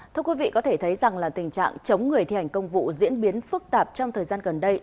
thưa quý vị có thể thấy rằng là tình trạng chống người thi hành công vụ diễn biến phức tạp trong thời gian gần đây